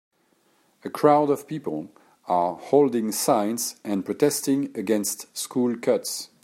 A crowd of people are holding signs and protesting against school cuts.